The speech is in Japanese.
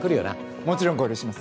もちろん合流します。